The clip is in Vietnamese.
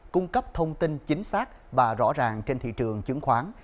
cung cấp thông tin chính xác và rõ ràng trên thị trường chứng khoán